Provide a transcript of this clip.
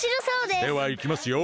ではいきますよ！